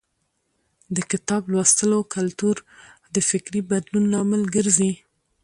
د کتاب لوستلو کلتور د فکري بدلون لامل ګرځي.